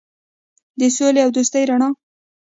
د سولې او دوستۍ رڼا.